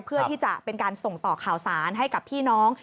เพื่อที่จะเป็นการส่งต่อข่าวสารให้กับพี่น้อง